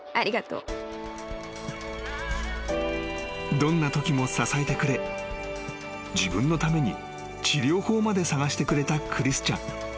［どんなときも支えてくれ自分のために治療法まで探してくれたクリスチャン］